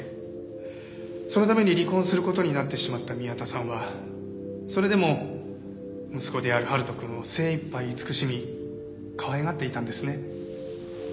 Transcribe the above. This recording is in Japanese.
そのために離婚する事になってしまった宮田さんはそれでも息子である春人くんを精いっぱい慈しみかわいがっていたんですね。